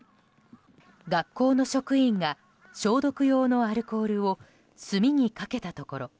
学校の職員が消毒用のアルコールを炭にかけたところ